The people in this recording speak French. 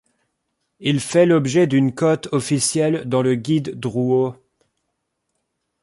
Il fait l'objet d'une cote officielle dans le Guide Drouot.